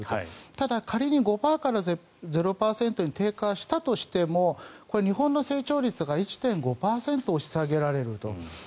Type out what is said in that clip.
ただ仮に５％から０％に低下したとしてもこれ、日本の成長率が１．５％押し下げられると。